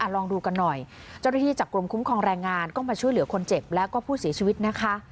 ลองดูกันหน่อยเจ้าหน้าที่จากกรมคุ้มครองแรงงานก็มาช่วยเหลือคนเจ็บแล้วก็ผู้เสียชีวิตนะคะ